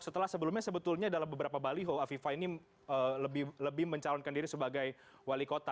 setelah sebelumnya sebetulnya dalam beberapa baliho afifah ini lebih mencalonkan diri sebagai wali kota